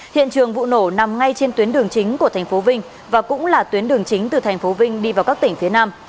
hiện trường vụ nổ nằm ngay trên tuyến đường chính của tp vinh và cũng là tuyến đường chính từ tp vinh đi vào các tỉnh phía nam